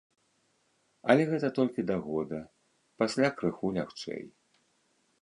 Але гэта толькі да года, пасля крыху лягчэй.